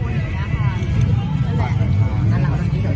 ก็มีพิเศษแน่นอน